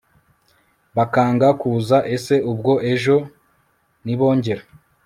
bakanga kuza! ese ubwo ejo nibongera